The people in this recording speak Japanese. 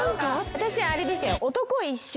私あれでしたよ。